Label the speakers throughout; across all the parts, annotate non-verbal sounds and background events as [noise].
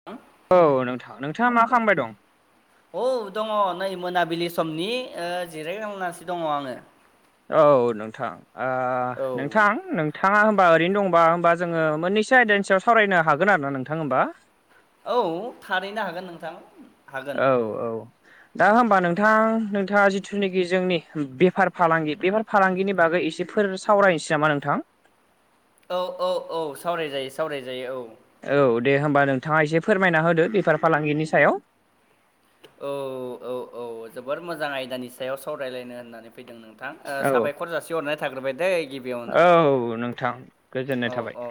Speaker 1: [unintelligible]
Speaker 2: औ नोंथां नोंथाङा मा खालामबाय दं?
Speaker 1: औ दङ नै मोनाबिलि समनि जिरायलांनानैसो दङ आङो।
Speaker 2: औ नोंथां ओ
Speaker 1: औ
Speaker 2: नोंथां नोंथाङा होमबा ओरैनो दंबा होमबा जोङो मोननैसो आयदानि सायाव सावरायनो हागोन आरोना नोंथां होमबा?
Speaker 1: औ थारैनो हागोन नोंथां। हागोन
Speaker 2: औ औ। दा होमबा नोंथां नोंथाङा जिथुनाखि जोंनि बेफार- फालांगि बेफार फालांगिनि बागै एसेफोर सावरायनोसै नामा नोंथां?
Speaker 1: औ औ औ सावराय जायो सावराय जायो औ।
Speaker 2: औ दे होमबा नोंथाङा एसे फोरमायना होदो बेफार फालांगिनि सायाव।
Speaker 1: औ औ औ जोबोर मोजां आयदानि सायाव सावरायलायनो होननानै फैदों नोंथां। ओ
Speaker 2: औ
Speaker 1: साबायखर जासि हरनाय थाग्रोबाय दै गिबि
Speaker 2: औ नोंथां। गोजोननाय
Speaker 1: औ
Speaker 2: थाबाय
Speaker 1: औ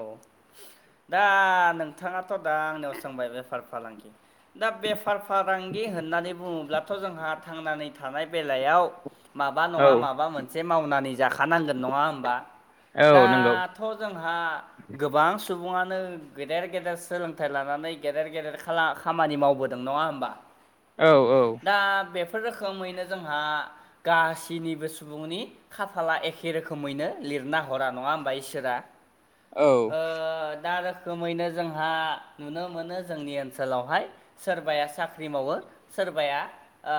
Speaker 1: दा नोंथाङाथ' दा आंनियाव सोंबाय बेफार- फालांगि दा बेफार फालांगि होननानै बुङोब्लाथ' जोंहा थांनानै थानाय बेलायाव माबा
Speaker 2: औ
Speaker 1: नङा माबा मोनसे मावनानै जाखानांगोन नङा होमबा? दा
Speaker 2: औ नंगौ
Speaker 1: जोंहा गोबां सुबुङानो गेदेर गेदेर सोलोंथाइ लानानै गेदेर गेदेर [unintelligible] खामानि मावबोदों नङा होमबा?
Speaker 2: औ औ।
Speaker 1: दा बेफोर रोखोमैनो जोंहा गासैनिबो सुबुंनि खाफाला एखे रोखोमैनो लिरना हरा नङा होमबा? इसोरा
Speaker 2: औ।
Speaker 1: ओ दा रोखोमैनो जोंहा नुनो मोनो जोंनि ओनसोलावहाय सोरबाया साख्रि मावो सोरबाया ओ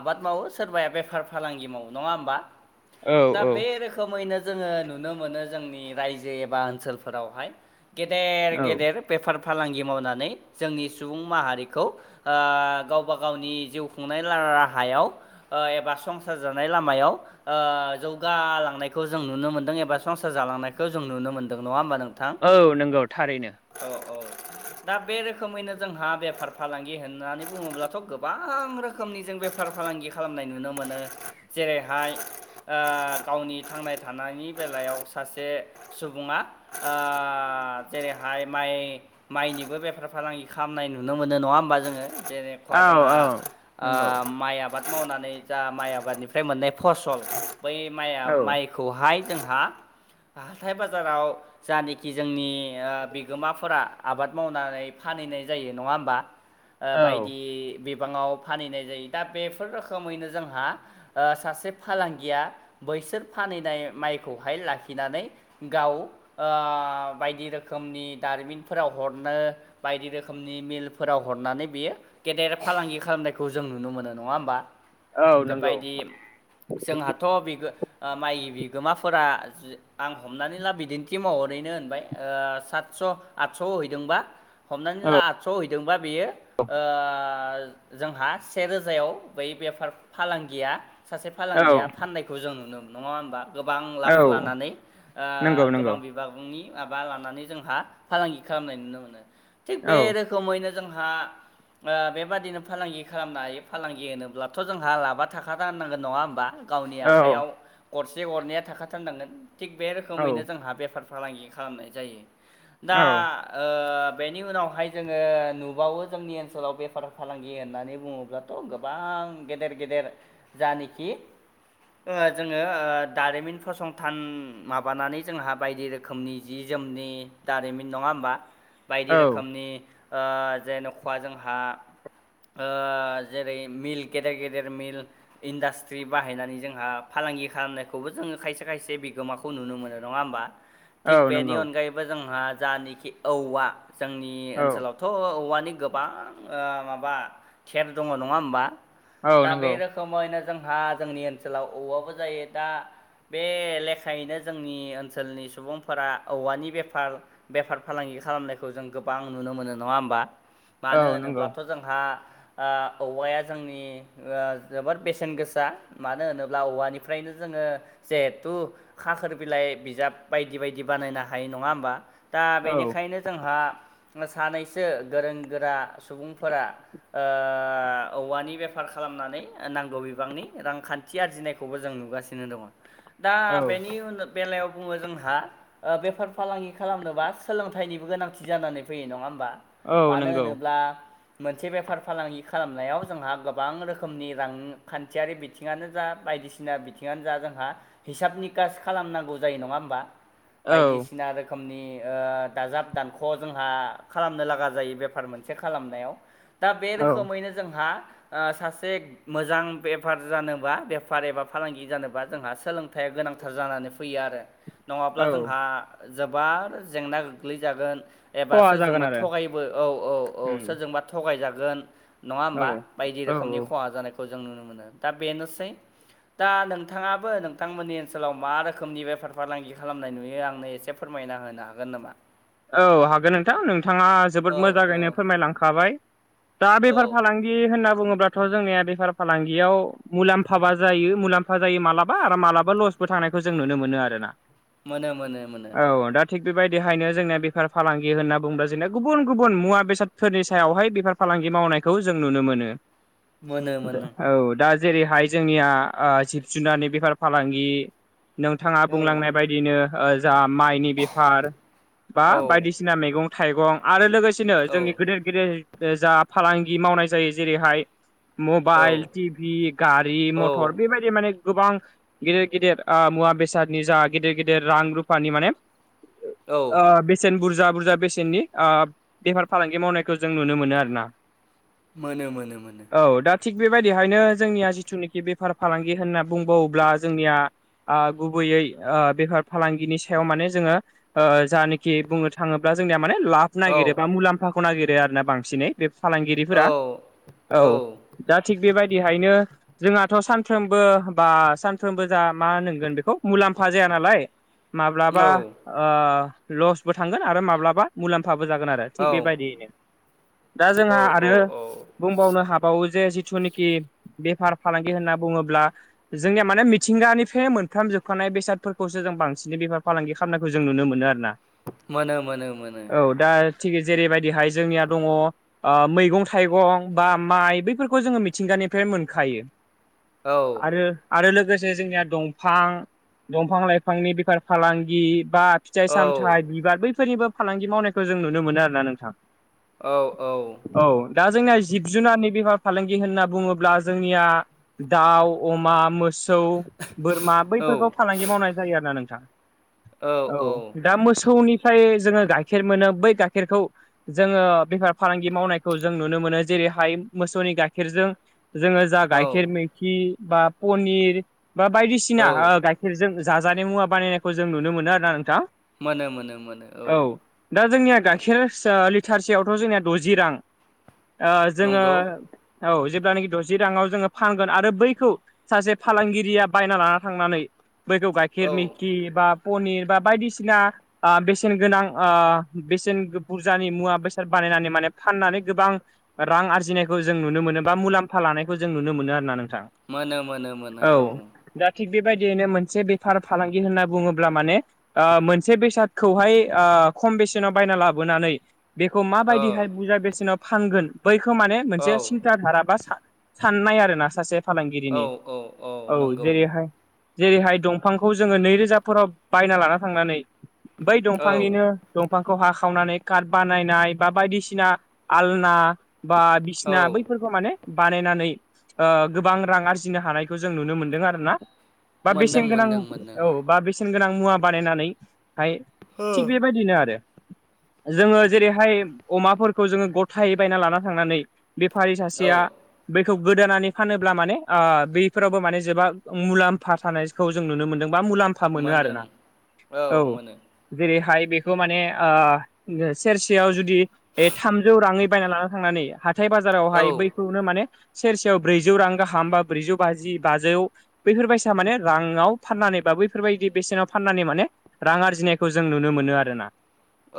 Speaker 1: आबाद मावो सोरबाया बेफार फालांगि मावो नङा होमबा? दा
Speaker 2: औ
Speaker 1: बे रोखोमैनो जोङो नुनो मोनो जोंनि रायजो जे एबा ओनसोलफोरावहाय गेदेर
Speaker 2: औ
Speaker 1: गेदेर बेफार- फालांगि मावनानै जोंनि सुबुं माहारिखौ गावबा गावनि जिउ खुंनाय रा-राहायाव ओ एबा संसार जानाय लामायाव ओ जौगालांनायखौ जों नुनो मोनदों एबा संसार जालांनायखौ जों नुनो मोन्दों नङा होमबा नोंथां?
Speaker 2: औ नंगौ थारैनो।
Speaker 1: औ औ। दा बे रोखोमैनो जोंहा बेफार- फालांगि होननानै बुङोब्लाथ' गोबां रोखोम रोखोमनि जों बेफार -फालांगि खालामनाय नुनो मोनो जेरैहाय ओ गावनि थांना थानायनि बेलायाव सासे सुबुङा ओ जेरैहाय माइ माइनिबो बेफार- फालांगि खालामनाय नुनो मोनो नङा होमबा जोङो जेरै
Speaker 2: औ
Speaker 1: [unintelligible] जोंहा
Speaker 2: औ नंगौ
Speaker 1: माइ आबाद मावनानै जा माइ आबादनिफ्राय मोननाय फसल बै
Speaker 2: औ
Speaker 1: माइ- माइ -खौहाय जोंहा हाथाय बाजाराव जानाखि जोंनि ओ बिगोमाफोरा आबाद मावनानै फानहैनाय जायो नङा होमबा?
Speaker 2: [inaudible]
Speaker 1: ओ बायदि बिबांङाव फानहैनाय जायो दा बेफोर रोखोमैनो जोंहा ओ सासे फालांगिया बैसोर फानहनाय माइखौहाय लाखि खिनानै गाव ओ बायदि रोखोमनि दारिमिनफोराव हरनो बायदि रोखोमनि मिलफोराव हरनानै बियो गेदेर फालांगि खालामनायखौ जों नुनो मोनो नंङा होमबा
Speaker 2: औ नंगौ
Speaker 1: बायायदि जोंहाथ' बि माइ बिगोमाफोरा आं हमनानै ला बिदिन्थि माहरैनो होनबाय ओ सातस' आदस' हैदोंबा हमनानै
Speaker 2: औ
Speaker 1: ला आटस' हैदोंबा बेयो ओ जोंहा से रोजायाव बै बेफार फालांगिया सासे फालांगिया
Speaker 2: औ
Speaker 1: फाननाय खौ जों नुनो मोनो नंङा होमबा गोबां
Speaker 2: औ
Speaker 1: लाब लानानै
Speaker 2: नंगौ नंगौ
Speaker 1: गोबां नि माबा लानानै जोंहा फालांगि खालामनाय नुनो मोनो थिग
Speaker 2: औ
Speaker 1: बे रोखोम रोखोमैनो जोंहा ओ बेबादिनो फालांगि खालामनो हायो फालांगि होनोब्लाथ' जोंहा लाबा थाखा राननांगोन नंङा होमबा गावनि
Speaker 2: औ
Speaker 1: आखाइयाव गरसे गरनैया थाखाथारनांगोन थिग बे
Speaker 2: औ
Speaker 1: रोखोमैनो जोंहा बेफार फालांगि खालामनाय जायो
Speaker 2: औ
Speaker 1: दा ओ बेनि उनावहाय जोंङो नुबावो जोंनि ओनसोलाव बेफार फालांगि होननानै बुंङोब्ला थ' गोबां गेदेर गेदेर जानिखि ओ जोंङो ओ दारिमिन फसंथान माबानानै जोंहा बायदि रोखोमनि जि जोमनि दारिमिन नंङा होमबा
Speaker 2: औ
Speaker 1: बायदि रोखोमनि ओ जेनेन'खवा जोंहा ओ जेरै मिल गेदेर गेदेर मिल इन्डास्ट्रि बाहायनानै जोंहा फालांगि खालामनायखौबो जोंङो खायसे खायसे बिगोमाखौ नुनो मोनो नङा होमबा
Speaker 2: औ
Speaker 1: थिग बेनि
Speaker 2: नंगौ
Speaker 1: अनगायैबो जोंहा जि औवा जोंनि
Speaker 2: औ
Speaker 1: ओनसोलाव थ' औवानि गोबां ओ माबा खेब दङ' नंङा होमबा
Speaker 2: औ
Speaker 1: दा बे
Speaker 2: नंगौ
Speaker 1: रोखोम समयनो जोंहा जोंनि ओनसोलाव औवाबो जायो दा बे लेखा थायैनो जोंनि ओनसोलनि सुबुंफोरा औवानि बेफार बेफार फालांगि खालामनायखौ जों गोबां नुनो मोनो नंङा होमबा
Speaker 2: औ
Speaker 1: मानो
Speaker 2: नंगौ
Speaker 1: होनोब्लाथ' जोंहा ओ औवाया जोंनि ओ जोबोर बेसेन गोसा मानो होनोब्ला औवानिफ्रायनो जोंङो जिहेथु खाखोर बिलाइ बिजाब बायदि बायदि बानायनो हायो नंङा होमबा दा
Speaker 2: औ
Speaker 1: बेनिखायनो जोंहा सानैसो गोरों गोरा सुबुंफोरा ओ औवानि बेफार खालामनानै नांगौ बिबांनि रांखान्थि थि आरजिनायखौबो जों नुगासिनो दङ' दा
Speaker 2: औ
Speaker 1: बेनि उन बेलायाव बुंङो जोंहा ओ बेफार फालांगि खालामनोबा सोलोंथाइनिबो गोनांथि जानानै फैयो नंङा होमबा
Speaker 2: औ
Speaker 1: मानो
Speaker 2: नंगौ
Speaker 1: होनोब्ला मोनसे बेफार फालांगि खालामनायाव जोंहा गोबां रोखोमनि रांखान्थियारि बिथिंङानो जा बायदिसिना बिथिंङानो जा जोंहा हिसाब नि कास खालामनांगौ जायो नंङा होमबा
Speaker 2: औ
Speaker 1: बायदिसिना रो रोखोमनि ओ दाजाब दानख' जोंहा खालामनो लागा जायो बेफार मोनसे खालामनायाव दा बे
Speaker 2: औ
Speaker 1: रोखोमैनो जोंहा ओ सासे मोजां बेफार जानोबा बेफार एबा फालांगि जानोबा जोंहा सोलोंथाइया गोनां गोथार जानानै फैयो आरो नंङाब्ला
Speaker 2: औ
Speaker 1: जोंहा जोबोर जेंना गोग्लैजागोन एबा
Speaker 2: खहा जागोन
Speaker 1: सोरजोंबा
Speaker 2: आरो
Speaker 1: थगायबो औ औ औ
Speaker 2: उम
Speaker 1: सोरजोंबा थगायजागोन। नंङा
Speaker 2: औ
Speaker 1: होमबा बायदि
Speaker 2: औ
Speaker 1: रोखोमनि खहा जानायखौ जों नुनो मोनो दा बेनोसै दा नोंथांङाबो नोंथांमोननि ओनसोलाव मा रोखोमनि बेफार फालांगि खालामनाय नुयो आंनो एसे फोरमायना होनो हागोन नामा?
Speaker 2: औ हागोन नोंथां नोंथांङा जोबोद
Speaker 1: औ औ
Speaker 2: मोजांङैनो फोरमायलांखाबाय दा
Speaker 1: औ
Speaker 2: बेफार फालांगि होनना बुङोब्लाथ' जोंनिया बेफार फालांगियाव मुलाम्फाबा जायो मुलाम्फा फा जायो मालाबा आरो माबा लसबो थानायनायखौ जों नुनो मोनो आरोना।
Speaker 1: मोनो मोनो मोनो
Speaker 2: औ दा थिग बेबायदिहायनो जोंनिना बेफार फालांगि होनना बुंडो़ब्ला जोंना गुबुन गुबुन मुवा बेसादफोरनि सायावहाय बेफार फालांगि मावनायखौ जों नुनो मोनो।
Speaker 1: मोनो मोनो
Speaker 2: औ दा जेरैहाय जोंनिया ओ जिब जुनारनि बेफार फालांगि नोंथाङा
Speaker 1: औ
Speaker 2: बुंलांनाय बाय दिनो ओ जा माइनि बेफार बा
Speaker 1: औ
Speaker 2: बायदिसिना मैगं थाइगं आरो लोगोसेनो
Speaker 1: औ
Speaker 2: जोंनि गेदेर गेदेर ओ जा फालांगि मावनाय जायो। जेरैहाय मबाइल, टिभि, गारि,
Speaker 1: औ
Speaker 2: मथर बेबायदि माने गोबां गेदिर गेदिर ओ मुवा बेसादनि जा गेदिर गेदिर रां रुफानि माने ओ बेसेन बुरजा-बुरजा बेसेननि ओ बेफार फालांगि मावनायखौ जों नुनो मोनो आरोना।
Speaker 1: मोनो-मोनो-मोनो
Speaker 2: औ दा थिग बेबायदिहायनो जोंनिया जिथुनाखि बेफार फालांगि होनना बुंबावोब्ला जोंनिया ओ गुबैयै बेफार फालांगिनि सायाव माने जोङो ओ जानाखि बुंनो थाङोब्ला जोंनिया माने लाब
Speaker 1: औ
Speaker 2: नागिरो बा मुलाम्फाखौ नागिरो आरोना बांसिनै बे फालांगिरिफोरा
Speaker 1: औ
Speaker 2: औ दा थिग बेबायदिहायनो जोंहाथ' सानफ्रोमबो बा सानफ्रोमबो जा मा होनगोन बेखौ मुलाम्फा जाया नालाय माब्लाबा लसबो थांगोन आरो माब्लाबा मुलाम्फाबो जागोन आरो थिग
Speaker 1: औ
Speaker 2: बेबायदियनो। दा
Speaker 1: औ
Speaker 2: जोंहा आरो
Speaker 1: औ
Speaker 2: बुंबावनो हाब बावो जे जिथुनिखि बेफार फालांगि होनना बुङोब्ला जोंनिया माने मिथिंगानिफ्राय मोनफ्राम जोबखानाय बेसादफोरखौसो जों बांसिन बेफार फालांगि खालामनाय खौ जों नुनो मोनो आरोना।
Speaker 1: मोनो मोनो मोनो
Speaker 2: औ दा थिख जेरैबायदिहाय जोंनिया दङ। मैगं-थाइगं बा माइ बैफोरखौ जोङो मिथिंगानिफ्राय मोनखायो।
Speaker 1: औ
Speaker 2: आरो
Speaker 1: औ
Speaker 2: आरो लोगोसे जोंनिया दंफां दंफां लाइफांनि बेफार फालांगि बा फिथाइ सामथायाइ
Speaker 1: औ औ
Speaker 2: बिबार बैफोरनिबो फालांगि मावनायखौ जों नुनो मोनो आरोना नोंथां।
Speaker 1: औ औ।
Speaker 2: औ दा जोंनिया जिब जुनारनि बेफार फालांगि होनना बुङोब्ला जोंनिया दाउ, अमा, मोसौ, बोरमा बैफोरखौ फालांगि मावनाय जायो आरो ना नोंथां। औ दा मोसौनिफ्राय जोङो गाइखेर मोनो बै गाइखेरखौ जोङो बेफार फालांगि मावनायखौ जों नुनो मोनो। जेरैहाय मोसौनि गाइखेरजों जोङो जा
Speaker 1: औ
Speaker 2: गाइखेर मैखि बा पनिर बा बायदिसिना
Speaker 1: औ
Speaker 2: ओ गाय खेरजों जाजानाय मुवा बानायनायखौ जों नुनो मोनो आरो ना नोंथां।
Speaker 1: मोनो मोनो मोनो औ।
Speaker 2: दा जोंनिया गाइखेर लिटारसेयावथ' जोंनिया द'जि रां ओ जोङो
Speaker 1: नंगौ
Speaker 2: औ जेब्लानाखि द'जि राङाव जोङो फानगोन आरो बैखौ सासे फालांगिरिया बायना लाना थांनानै बैखौ गाइखेर
Speaker 1: औ
Speaker 2: मिकि बा पनिर बा बायदिसिना ओ बेसेन गोनां ओ बेसेन बुरजानि मुवा बेसाद बानायनानै माने फाननानै गोबां रां आरजिनायखौ जों नुनो मोनो बा मुलाम्फा लानायखौ जों नुनो मोनो आरो ना नोंथां।
Speaker 1: मोनो मोनो मोनो औ।
Speaker 2: दा थिग बेबायदियैनो मोनसे बेफार फालांगि होनना बुङोब्ला माने, ओ मोनसे बेसादखौहाय ओ खम बेसेनाव बायना लाबोनानै बेखौ
Speaker 1: ओ
Speaker 2: माबायदिहाय बुरजा बेसेनाव फानगोन बैखौ माने मोनसे
Speaker 1: औ
Speaker 2: था राबा साननाय आरो ना सासे
Speaker 1: औ
Speaker 2: फालांगिरिनि
Speaker 1: औ
Speaker 2: औ
Speaker 1: नंगौ
Speaker 2: जेरैहाय जेरैहाय दंफांखौ जोङो नैरोजाफोराव बायना लाना थांनानै बै
Speaker 1: औ
Speaker 2: दंफांनिनो दंफांखौ हाखावनानै कार्ट बानायनाय बा बायदिसिना आलना बा
Speaker 1: औ
Speaker 2: बिसिना बैफोरखौ माने बानायनानै गोबां रां आरजिनो हानायखौ जों नुनो मोनदों आरोना बा
Speaker 1: मोनदों
Speaker 2: बेसेन गोनां
Speaker 1: मोनदों मोनदों
Speaker 2: औ बा बेसेन गोनां मुवा बानायनानैहाय
Speaker 1: हो
Speaker 2: थिग बे बायदिनो आरो जोङो जेरैहाय अमाफोरखौ जोङो गथायै बायना लाना थांनानै बेफारि
Speaker 1: औ
Speaker 2: सासेया बेखौ गोदानै फानोब्ला माने बेफोरावबो माने जोबा मुलाम्फा थानाय खौ जों नुनो मोन्दों बा मुलाम्फा मोनो
Speaker 1: मोनदों
Speaker 2: आरोना
Speaker 1: औ मोनो
Speaker 2: जेरैहाय बेखौ माने सेरसेयाव जुदि बे थामजौ राङै बायना लाना थांनानै हाथाय
Speaker 1: औ
Speaker 2: बाजारावहाय बै खौनो माने सेरसेयाव ब्रैजौ रां गाहाम बा ब्रैजौ बाजि बाजौ बैफोरबायसा माने राङाव फाननानै बा बैफोरबायदि बेसेनाव फाननानै माने रां आरजिनायखौ जों नुनो मोनो आरोना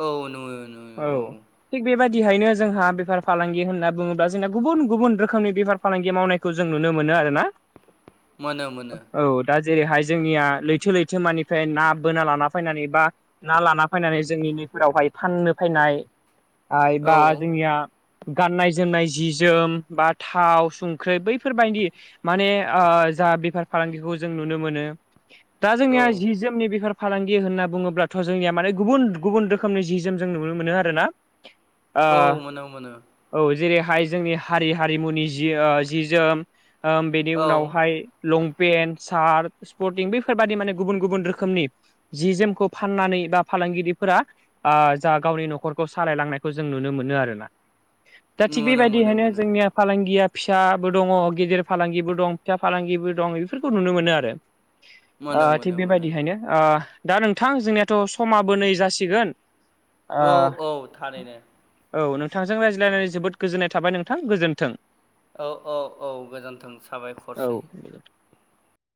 Speaker 1: औ नुयो नुयो औ
Speaker 2: थिग बेबायदिहायनो जोंहा बेफार फालांगि होनना बुङोब्ला जोंना गुबुन गुबुन रोखोमनि बेफार फालांगि मावनायखौ जों नुनो मोनो आरोना
Speaker 1: मोनो मोनो
Speaker 2: औ दा जेरैहाय जोंनिया लैथो लैथो मानि फ्राय ना बोना लाना फैनानै बा ना लाना फैनानै जोंनि नैफोरावहाय फाननो फैनाय ओ
Speaker 1: औ
Speaker 2: एबा बा जोंनिया गाननाय जोमनाय जि जोम बा थाव संख्रि बैफोरबायदि माने ओ‌जा बेफार फालांगिखौ जों नुनो मोनो दा
Speaker 1: औ
Speaker 2: जोंनिया जि जोमनि बेफोर फालांगि होनना बुङोब्लाथ' जोंनिया माने गुबुन गुबुन रोखोमनि जि जोम जों नुनो मोनो आरोना
Speaker 1: औ मोनो मोनो
Speaker 2: औ जेरैहाय जोंनि हारि हारिमुनि जि ओ जि जोम बेनि
Speaker 1: औ
Speaker 2: उनावहाय लंपेन्ट सार्ट स्पर्टिं बेफोरबादि माने गुबुन गुबुन रो खोमनि जि जोमखौ फाननानै बा फालांगिरिफोरा ओ जा गावनि न'खरखौ सालायलांनायखौ जों नुनो मोनो आरोना दा थिग
Speaker 1: मोनो मोनो
Speaker 2: बेबायदिहायनो
Speaker 1: मोनो
Speaker 2: जोंनिया फालांगिया फिसाबो दङ गेेजेर फालांगिबो दं फिसा फालांगिबो दं बेफोरखौ नुनो मोनो आरो
Speaker 1: मोनो
Speaker 2: थिग
Speaker 1: मोनो मोनो
Speaker 2: बेबायदिहायनो दा नोंथां जोंनियाथ' समाबो नै जासिगोन
Speaker 1: औ औ थारैनो
Speaker 2: औ नोंथांजों रायज्लायनानै जोबोद गोजोननाय थाबाय नोंथां गोजोन्थों
Speaker 1: औ औ औ गोजोन्थों
Speaker 2: औ
Speaker 1: साबायखरसै